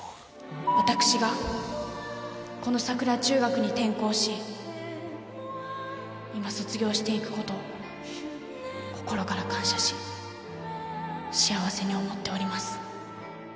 私がこの桜中学に転校し今卒業していくことを心から感謝し幸せに思っております。